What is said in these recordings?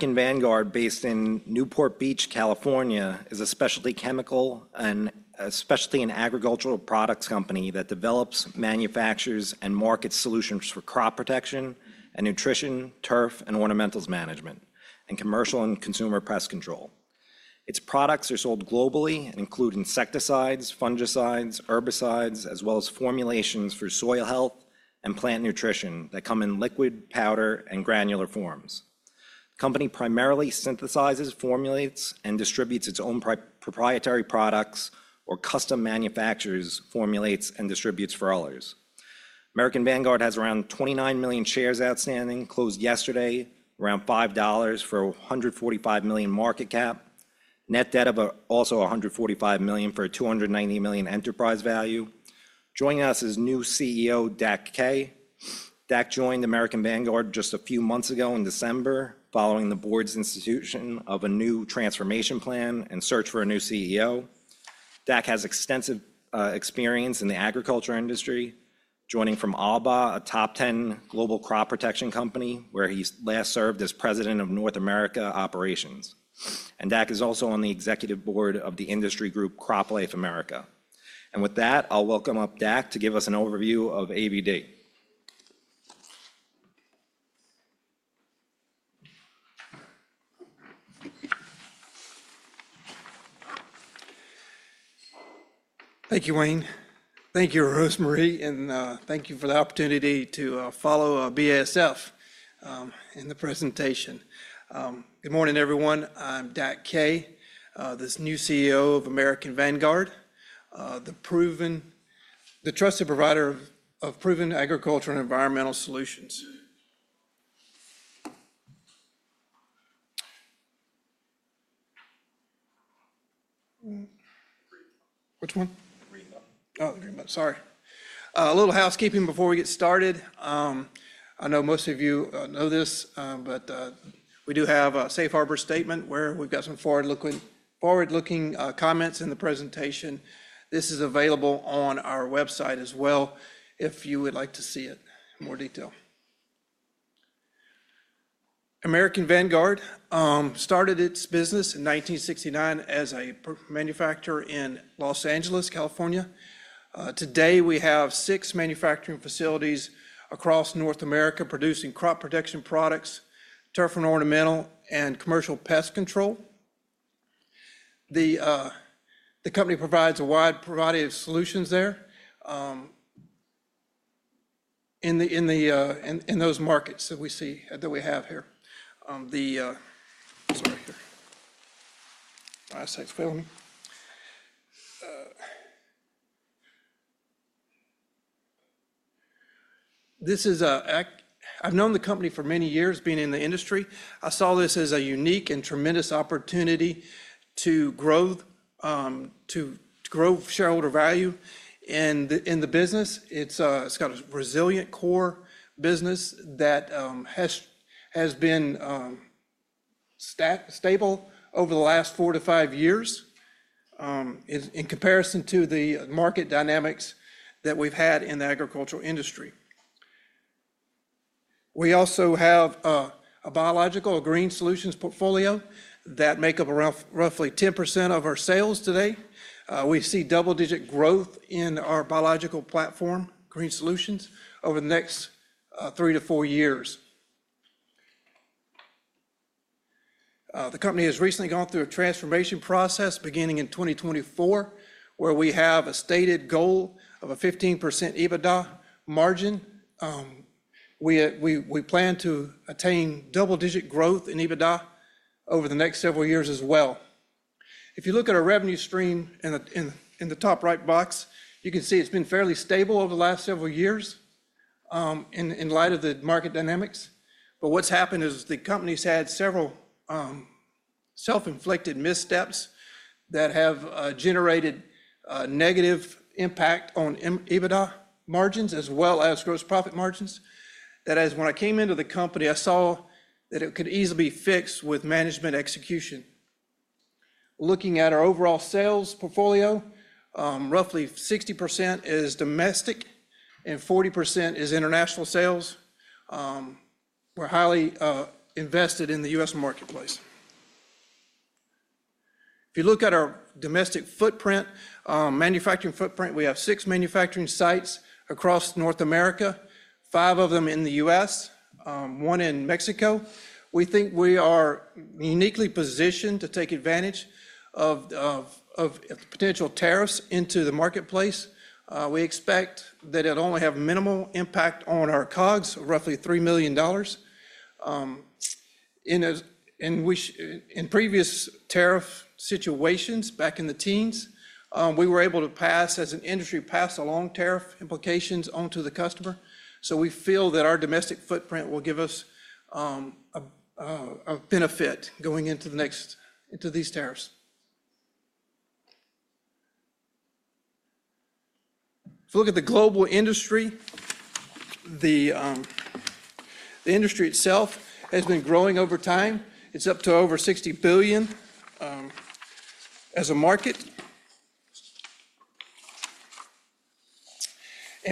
American Vanguard, based in Newport Beach, California, is a specialty chemical and specialty and agricultural products company that develops, manufactures, and markets solutions for crop protection and nutrition, turf, and ornamentals management, and commercial and consumer pest control. Its products are sold globally and include insecticides, fungicides, herbicides, as well as formulations for soil health and plant nutrition that come in liquid, powder, and granular forms. The company primarily synthesizes, formulates, and distributes its own proprietary products or custom manufactures, formulates, and distributes for others. American Vanguard has around 29 million shares outstanding, closed yesterday around $5 for a $145 million market cap, net debt of also $145 million for a $290 million enterprise value. Joining us is new CEO, Dak Rice. Dak joined American Vanguard just a few months ago in December, following the board's institution of a new transformation plan and search for a new CEO. Dak has extensive experience in the agriculture industry, joining from Adama, a top 10 global crop protection company, where he last served as president of North America operations. Dak is also on the executive board of the industry group CropLife America. With that, I'll welcome up Dak to give us an overview of American Vanguard. Thank you, Wayne. Thank you, Rosemarie, and thank you for the opportunity to follow BASF in the presentation. Good morning, everyone. I'm Dak Rice, this new CEO of American Vanguard, the proven, the trusted provider of proven agricultural and environmental solutions. Which one? green button? Oh, green button. Sorry. A little housekeeping before we get started. I know most of you know this, but we do have a Safe Harbor statement where we've got some forward-looking comments in the presentation. This is available on our website as well if you would like to see it in more detail. American Vanguard started its business in 1969 as a manufacturer in Los Angeles, California. Today, we have six manufacturing facilities across North America producing crop protection products, turf and ornamental, and commercial pest control. The company provides a wide variety of solutions there in those markets that we see that we have here. Sorry, here. This is a I've known the company for many years being in the industry. I saw this as a unique and tremendous opportunity to grow shareholder value in the business. It's got a resilient core business that has been stable over the last four to five years in comparison to the market dynamics that we've had in the agricultural industry. We also have a biological, a green solutions portfolio that make up roughly 10% of our sales today. We see double-digit growth in our biological platform, green solutions, over the next three to four years. The company has recently gone through a transformation process beginning in 2024, where we have a stated goal of a 15% EBITDA margin. We plan to attain double-digit growth in EBITDA over the next several years as well. If you look at our revenue stream in the top right box, you can see it's been fairly stable over the last several years in light of the market dynamics. What's happened is the company's had several self-inflicted missteps that have generated a negative impact on EBITDA margins as well as gross profit margins. That is, when I came into the company, I saw that it could easily be fixed with management execution. Looking at our overall sales portfolio, roughly 60% is domestic and 40% is international sales. We're highly invested in the U.S. marketplace. If you look at our domestic footprint, manufacturing footprint, we have six manufacturing sites across North America, five of them in the U.S., one in Mexico. We think we are uniquely positioned to take advantage of potential tariffs into the marketplace. We expect that it'll only have minimal impact on our COGS, roughly $3 million. In previous tariff situations back in the teens, we were able to pass, as an industry, pass along tariff implications onto the customer. We feel that our domestic footprint will give us a benefit going into the next into these tariffs. If you look at the global industry, the industry itself has been growing over time. It is up to over $60 billion as a market.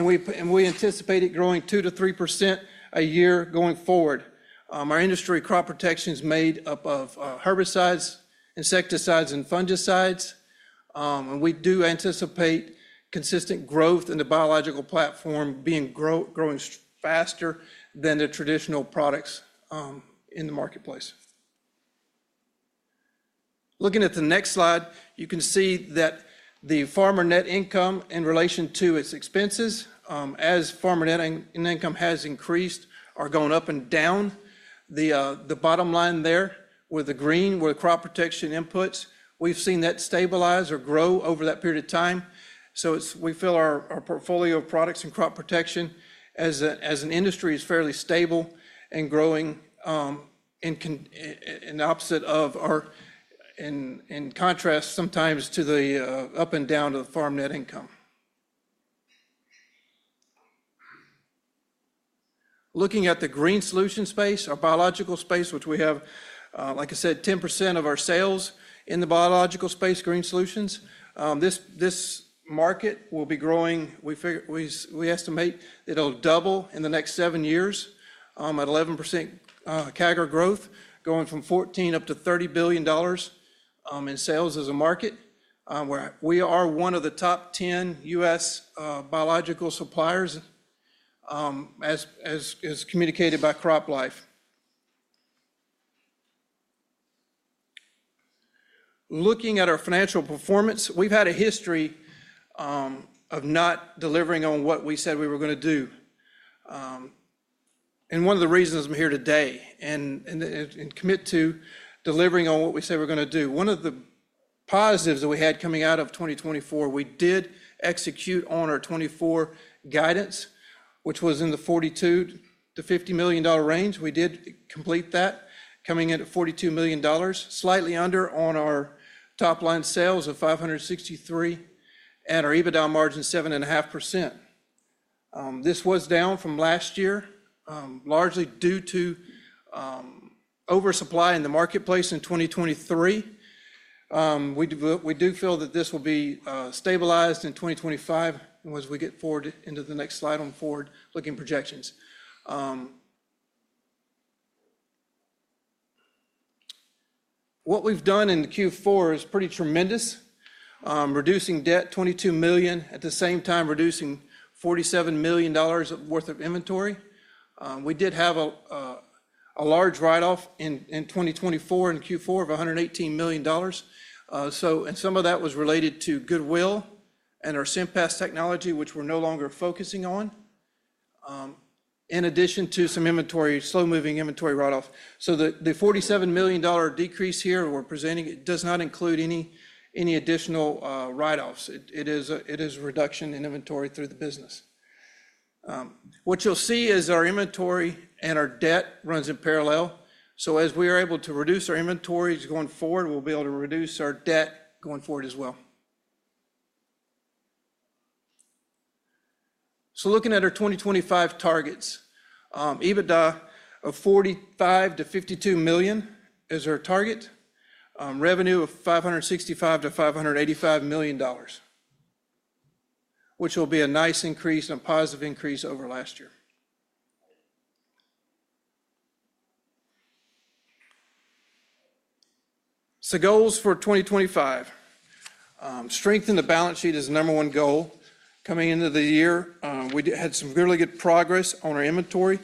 We anticipate it growing 2-3% a year going forward. Our industry crop protection is made up of herbicides, insecticides, and fungicides. We do anticipate consistent growth in the biological platform being growing faster than the traditional products in the marketplace. Looking at the next slide, you can see that the farmer net income in relation to its expenses, as farmer net income has increased, are going up and down. The bottom line there with the green, with crop protection inputs, we have seen that stabilize or grow over that period of time. We feel our portfolio of products and crop protection as an industry is fairly stable and growing in contrast sometimes to the up and down of the farm net income. Looking at the green solution space, our biological space, which we have, like I said, 10% of our sales in the biological space, green solutions. This market will be growing. We estimate it'll double in the next seven years at 11% CAGR growth, going from $14 billion up to $30 billion in sales as a market where we are one of the top 10 U.S. biological suppliers, as communicated by CropLife. Looking at our financial performance, we've had a history of not delivering on what we said we were going to do. One of the reasons I'm here today is to commit to delivering on what we say we're going to do. One of the positives that we had coming out of 2024, we did execute on our 2024 guidance, which was in the $42 million-$50 million range. We did complete that coming into $42 million, slightly under on our top line sales of $563 million and our EBITDA margin 7.5%. This was down from last year largely due to oversupply in the marketplace in 2023. We do feel that this will be stabilized in 2025 as we get forward into the next slide on forward-looking projections. What we've done in Q4 is pretty tremendous, reducing debt $22 million, at the same time reducing $47 million worth of inventory. We did have a large write-off in 2024 in Q4 of $118 million. Some of that was related to Goodwill and our SIMPAS technology, which we're no longer focusing on, in addition to some inventory, slow-moving inventory write-off. The $47 million decrease here we're presenting does not include any additional write-offs. It is a reduction in inventory through the business. What you'll see is our inventory and our debt runs in parallel. As we are able to reduce our inventories going forward, we'll be able to reduce our debt going forward as well. Looking at our 2025 targets, EBITDA of $45-$52 million is our target, revenue of $565-$585 million, which will be a nice increase, a positive increase over last year. Goals for 2025, strengthen the balance sheet is the number one goal coming into the year. We had some really good progress on our inventory.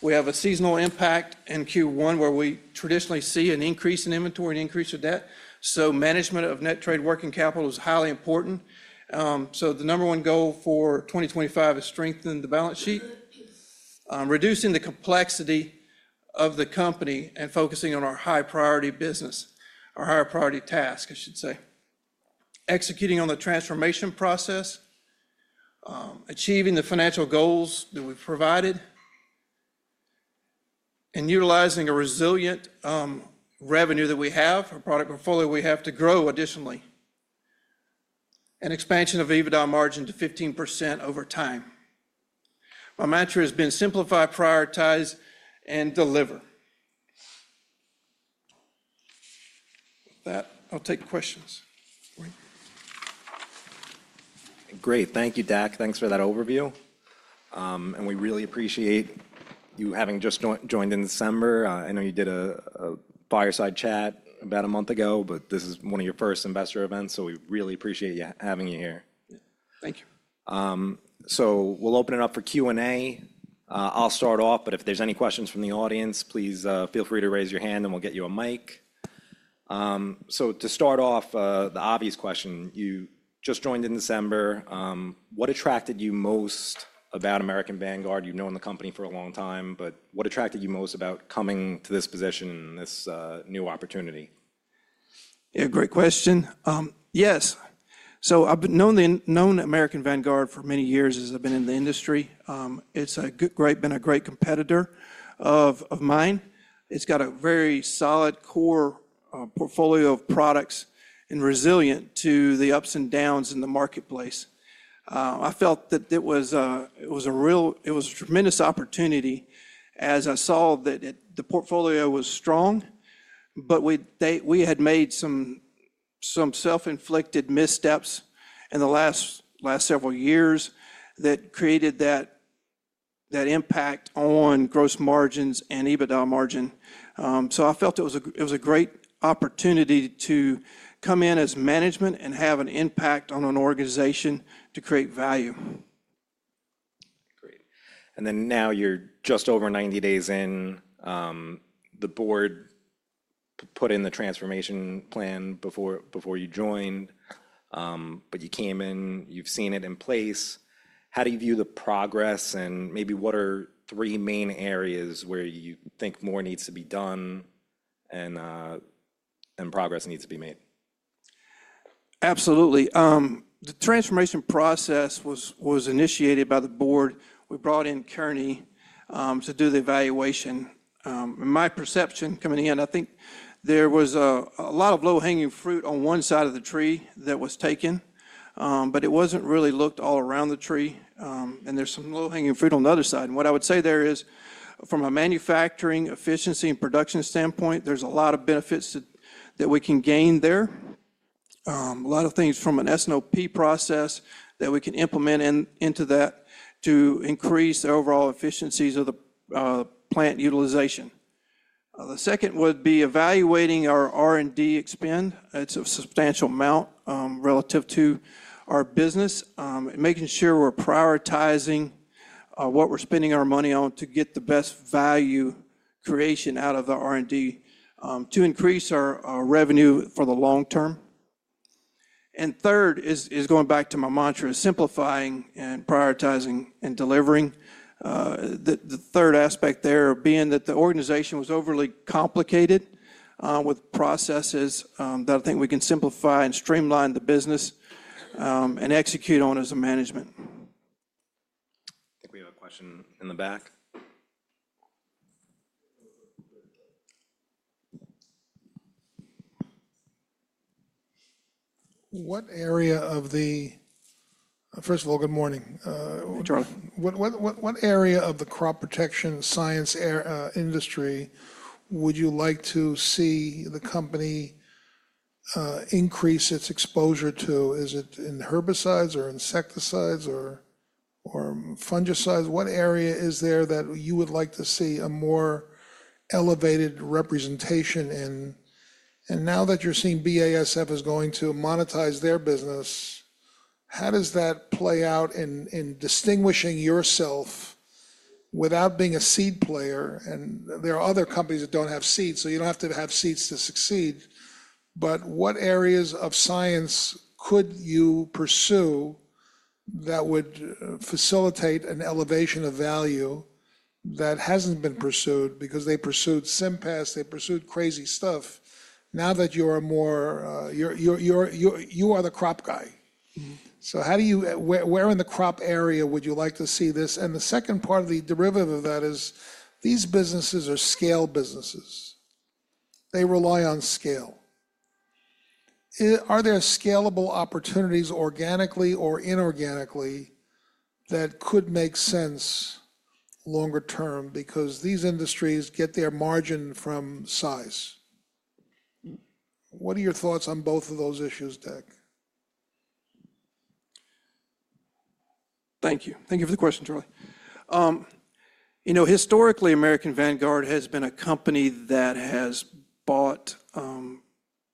We have a seasonal impact in Q1 where we traditionally see an increase in inventory and increase of debt. Management of net trade working capital is highly important. The number one goal for 2025 is strengthen the balance sheet, reducing the complexity of the company and focusing on our high-priority business, our higher priority task, I should say, executing on the transformation process, achieving the financial goals that we've provided, and utilizing a resilient revenue that we have, our product portfolio, we have to grow additionally, and expansion of EBITDA margin to 15% over time. My mantra has been simplify, prioritize, and deliver. With that, I'll take questions. Great. Thank you, Dak. Thanks for that overview. We really appreciate you having just joined in December. I know you did a fireside chat about a month ago, but this is one of your first investor events, so we really appreciate having you here. Thank you. We'll open it up for Q&A. I'll start off, but if there's any questions from the audience, please feel free to raise your hand and we'll get you a mic. To start off, the obvious question, you just joined in December. What attracted you most about American Vanguard? You've known the company for a long time, but what attracted you most about coming to this position and this new opportunity? Yeah, great question. Yes. I've known American Vanguard for many years as I've been in the industry. It's been a great competitor of mine. It's got a very solid core portfolio of products and is resilient to the ups and downs in the marketplace. I felt that it was a tremendous opportunity as I saw that the portfolio was strong, but we had made some self-inflicted missteps in the last several years that created that impact on gross margins and EBITDA margin. I felt it was a great opportunity to come in as management and have an impact on an organization to create value. Great. Now you're just over 90 days in. The board put in the transformation plan before you joined, but you came in, you've seen it in place. How do you view the progress and maybe what are three main areas where you think more needs to be done and progress needs to be made? Absolutely. The transformation process was initiated by the board. We brought in Kearney to do the evaluation. In my perception coming in, I think there was a lot of low-hanging fruit on one side of the tree that was taken, but it wasn't really looked all around the tree. There's some low-hanging fruit on the other side. What I would say there is from a manufacturing efficiency and production standpoint, there's a lot of benefits that we can gain there, a lot of things from an S&OP process that we can implement into that to increase the overall efficiencies of the plant utilization. The second would be evaluating our R&D expend. It's a substantial amount relative to our business, making sure we're prioritizing what we're spending our money on to get the best value creation out of the R&D to increase our revenue for the long term. Third is going back to my mantra, simplifying and prioritizing and delivering. The third aspect there being that the organization was overly complicated with processes that I think we can simplify and streamline the business and execute on as a management. I think we have a question in the back. What area of the first of all, good morning. Hey, Charlie. What area of the crop protection science industry would you like to see the company increase its exposure to? Is it in herbicides or insecticides or fungicides? What area is there that you would like to see a more elevated representation? Now that you're seeing BASF is going to monetize their business, how does that play out in distinguishing yourself without being a seed player? There are other companies that do not have seeds, so you do not have to have seeds to succeed. What areas of science could you pursue that would facilitate an elevation of value that has not been pursued because they pursued SIMPAS, they pursued crazy stuff? Now that you are more you are the crop guy. Where in the crop area would you like to see this? The second part of the derivative of that is these businesses are scale businesses. They rely on scale. Are there scalable opportunities organically or inorganically that could make sense longer term because these industries get their margin from size? What are your thoughts on both of those issues, Dak? Thank you. Thank you for the question, Charlie. You know, historically, American Vanguard has been a company that has bought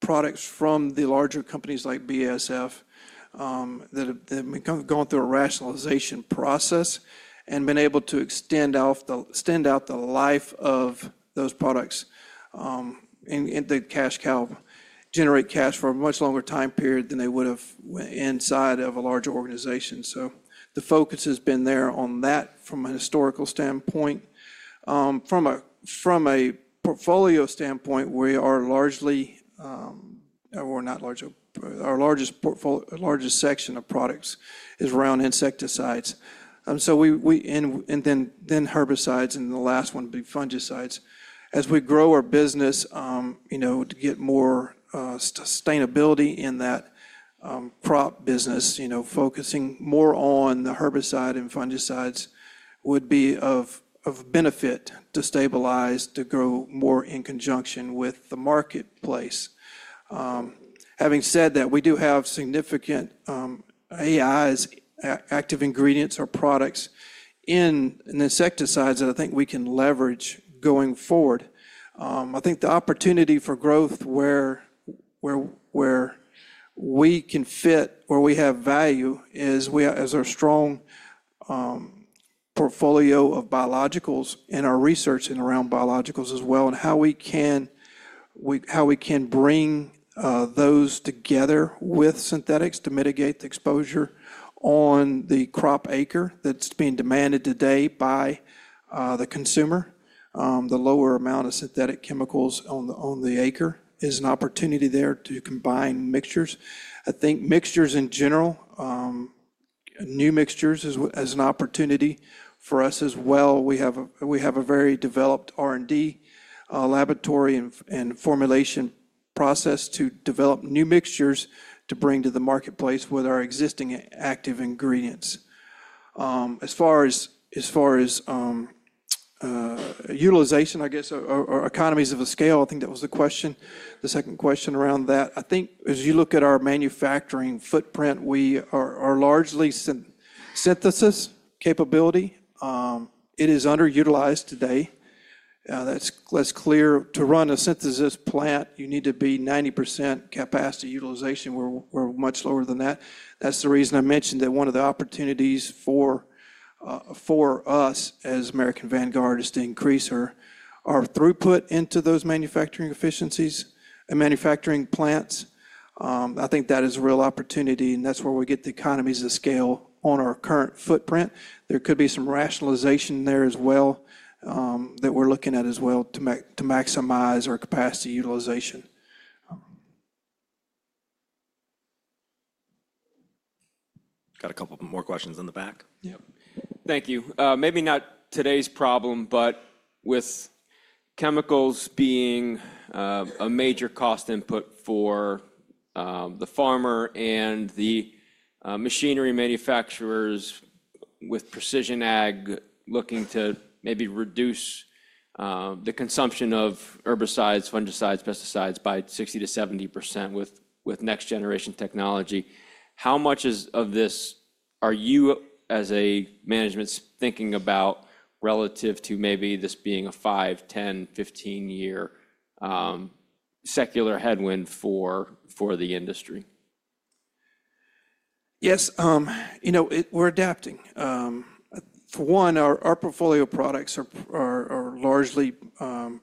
products from the larger companies like BASF that have gone through a rationalization process and been able to extend out the life of those products into cash cow, generate cash for a much longer time period than they would have inside of a larger organization. The focus has been there on that from a historical standpoint. From a portfolio standpoint, we are largely, or not large, our largest section of products is around insecticides. Then herbicides, and the last one would be fungicides. As we grow our business, to get more sustainability in that crop business, focusing more on the herbicide and fungicides would be of benefit to stabilize, to grow more in conjunction with the marketplace. Having said that, we do have significant AIs, active ingredients or products in insecticides that I think we can leverage going forward. I think the opportunity for growth where we can fit or we have value is our strong portfolio of biologicals and our research and around biologicals as well and how we can bring those together with synthetics to mitigate the exposure on the crop acre that's being demanded today by the consumer. The lower amount of synthetic chemicals on the acre is an opportunity there to combine mixtures. I think mixtures in general, new mixtures as an opportunity for us as well. We have a very developed R&D laboratory and formulation process to develop new mixtures to bring to the marketplace with our existing active ingredients. As far as utilization, I guess, or economies of the scale, I think that was the question. The second question around that, I think as you look at our manufacturing footprint, we are largely synthesis capability. It is underutilized today. That's clear. To run a synthesis plant, you need to be 90% capacity utilization. We're much lower than that. That's the reason I mentioned that one of the opportunities for us as American Vanguard is to increase our throughput into those manufacturing efficiencies and manufacturing plants. I think that is a real opportunity, and that's where we get the economies of scale on our current footprint. There could be some rationalization there as well that we're looking at as well to maximize our capacity utilization. Got a couple more questions in the back. Yep. Thank you. Maybe not today's problem, but with chemicals being a major cost input for the farmer and the machinery manufacturers with Precision Ag looking to maybe reduce the consumption of herbicides, fungicides, pesticides by 60-70% with next-generation technology, how much of this are you as a management thinking about relative to maybe this being a 5, 10, 15-year secular headwind for the industry? Yes. You know, we're adapting. For one, our portfolio products are largely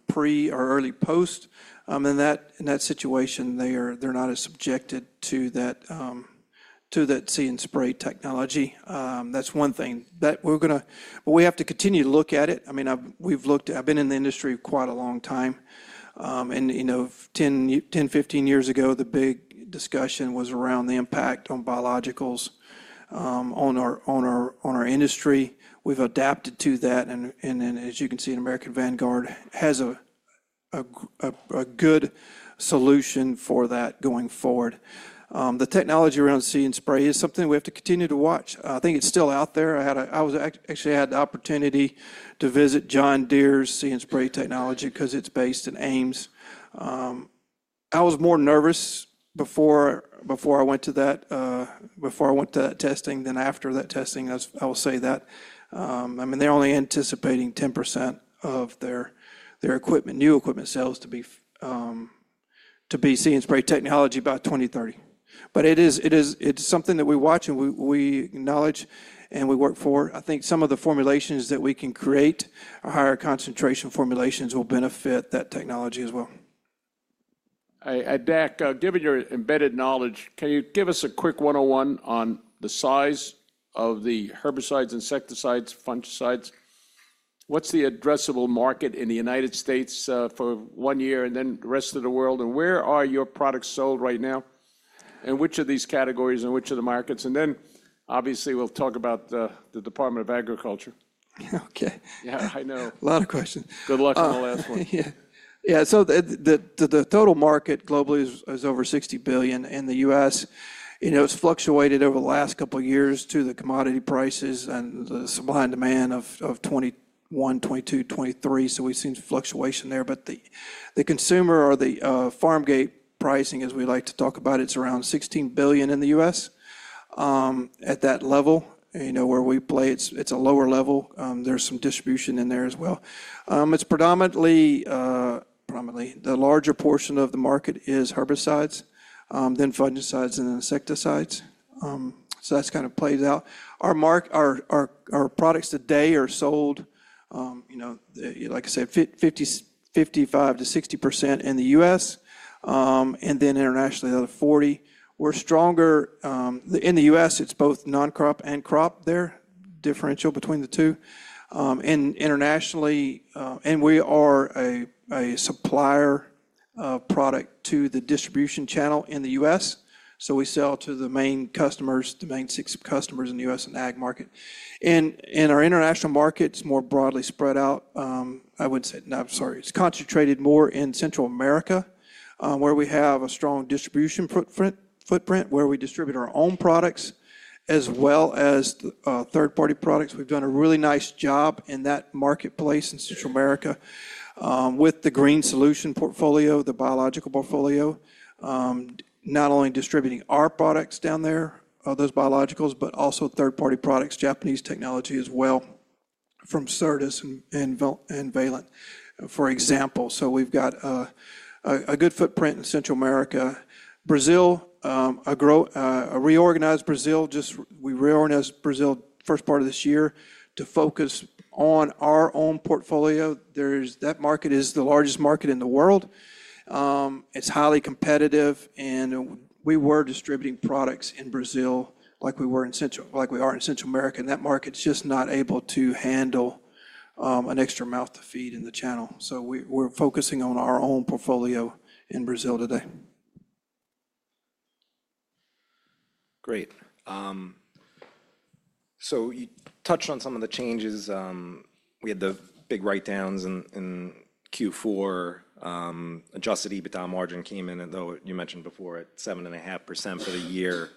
pre or early post. In that situation, they're not as subjected to that seed and spray technology. That's one thing that we're going to we have to continue to look at it. I mean, we've looked at I've been in the industry quite a long time. And 10, 15 years ago, the big discussion was around the impact on biologicals on our industry. We've adapted to that. And as you can see, American Vanguard has a good solution for that going forward. The technology around seed and spray is something we have to continue to watch. I think it's still out there. I actually had the opportunity to visit John Deere's See & Spray technology because it's based in Ames. I was more nervous before I went to that testing than after that testing. I will say that. I mean, they're only anticipating 10% of their equipment, new equipment sales to be seed and spray technology by 2030. It is something that we watch and we acknowledge and we work for. I think some of the formulations that we can create, our higher concentration formulations will benefit that technology as well. Dak, given your embedded knowledge, can you give us a quick one-on-one on the size of the herbicides, insecticides, fungicides? What's the addressable market in the United States for one year and then the rest of the world? Where are your products sold right now? Which of these categories and which of the markets? Obviously, we'll talk about the Department of Agriculture. Okay. Yeah, I know. A lot of questions. Good luck on the last one. Yeah. The total market globally is over $60 billion in the U.S. It's fluctuated over the last couple of years due to the commodity prices and the supply and demand of 2021, 2022, 2023. We have seen fluctuation there. The consumer or the farm gate pricing, as we like to talk about, is around $16 billion in the U.S. at that level where we play. It's a lower level. There is some distribution in there as well. Predominantly, the larger portion of the market is herbicides, then fungicides, and then insecticides. That is kind of played out. Our products today are sold, like I said, 55%-60% in the U.S., and then internationally, another 40%. We are stronger. In the U.S., it is both non-crop and crop there, differential between the two. Internationally, we are a supplier product to the distribution channel in the U.S. We sell to the main customers, the main six customers in the U.S. and ag market. In our international markets, more broadly spread out, I would say, no, I'm sorry, it's concentrated more in Central America where we have a strong distribution footprint, where we distribute our own products as well as third-party products. We've done a really nice job in that marketplace in Central America with the green solution portfolio, the biological portfolio, not only distributing our products down there, those biologicals, but also third-party products, Japanese technology as well from Certis and Valent, for example. We've got a good footprint in Central America. Brazil, a reorganized Brazil, just we reorganized Brazil first part of this year to focus on our own portfolio. That market is the largest market in the world. It's highly competitive. We were distributing products in Brazil like we are in Central America. That market's just not able to handle an extra mouth to feed in the channel. We are focusing on our own portfolio in Brazil today. Great. You touched on some of the changes. We had the big write-downs in Q4. Adjusted EBITDA margin came in, though you mentioned before at 7.5% for the year.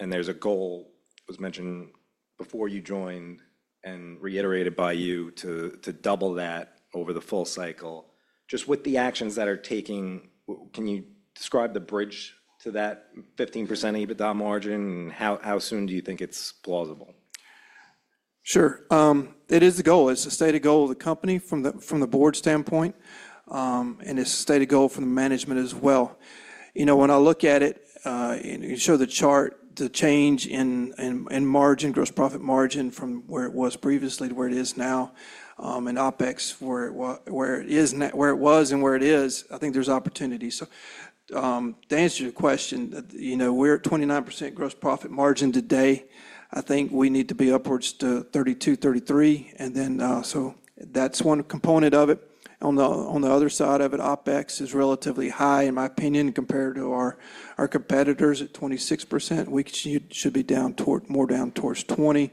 There's a goal that was mentioned before you joined and reiterated by you to double that over the full cycle. Just with the actions that are taking, can you describe the bridge to that 15% EBITDA margin and how soon do you think it's plausible? Sure. It is the goal. It's a stated goal of the company from the board standpoint, and it's a stated goal for the management as well. When I look at it and show the chart, the change in margin, gross profit margin from where it was previously to where it is now, and OpEx where it was and where it is, I think there's opportunity. To answer your question, we're at 29% gross profit margin today. I think we need to be upwards to 32-33%. That is one component of it. On the other side of it, OpEx is relatively high, in my opinion, compared to our competitors at 26%. We should be more down towards 20%.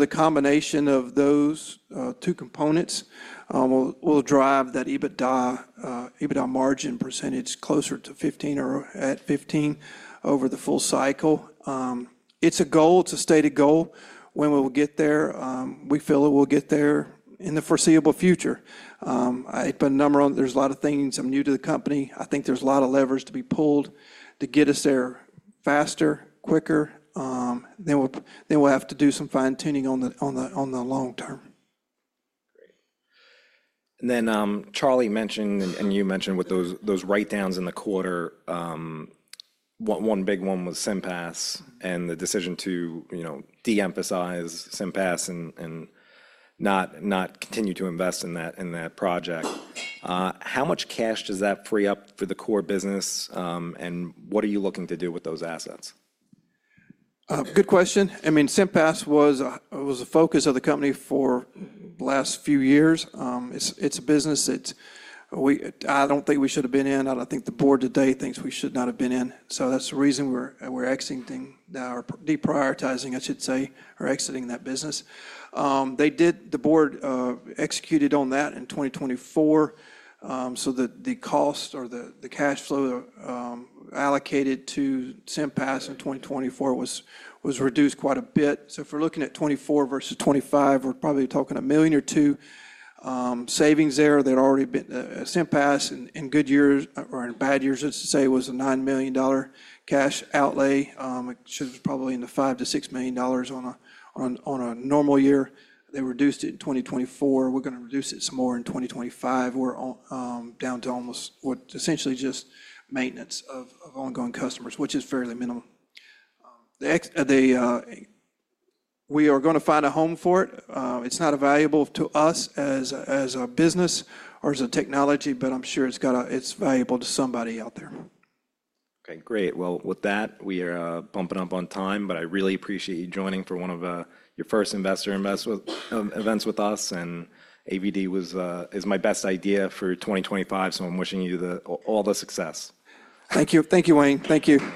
The combination of those two components will drive that EBITDA margin percentage closer to 15% or at 15% over the full cycle. It's a goal. It's a stated goal. When we will get there, we feel it will get there in the foreseeable future. I put a number on, there's a lot of things. I'm new to the company. I think there's a lot of levers to be pulled to get us there faster, quicker. We will have to do some fine-tuning on the long term. Great. Charlie mentioned, and you mentioned with those write-downs in the quarter, one big one was SIMPAS and the decision to de-emphasize SIMPAS and not continue to invest in that project. How much cash does that free up for the core business, and what are you looking to do with those assets? Good question. I mean, SIMPAS was a focus of the company for the last few years. It's a business I don't think we should have been in. I don't think the board today thinks we should not have been in. That's the reason we're exiting that or deprioritizing, I should say, or exiting that business. The board executed on that in 2024. The cost or the cash flow allocated to SIMPAS in 2024 was reduced quite a bit. If we're looking at 2024 versus 2025, we're probably talking a million or two savings there. SIMPAS in good years or in bad years, let's say, was a $9 million cash outlay. It should have probably been the $5-6 million on a normal year. They reduced it in 2024. We're going to reduce it some more in 2025. We're down to almost essentially just maintenance of ongoing customers, which is fairly minimal. We are going to find a home for it. It's not available to us as a business or as a technology, but I'm sure it's valuable to somebody out there. Okay, great. With that, we are bumping up on time, but I really appreciate you joining for one of your first investor events with us. AVD is my best idea for 2025, so I'm wishing you all the success. Thank you. Thank you, Wayne. Thank you.